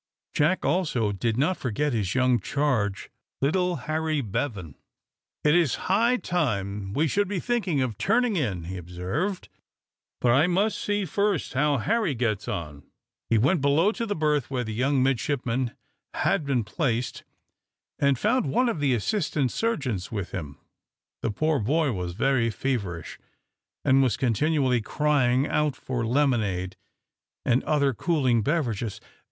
Jack, also, did not forget his young charge, little Harry Bevan. "It is high time we should be thinking of turning in," he observed. "But I must see first how Harry gets on." He went below to the berth where the young midshipman had been placed, and found one of the assistant surgeons with him. The poor boy was very feverish, and was continually crying out for lemonade, and other cooling beverages.